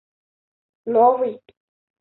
новый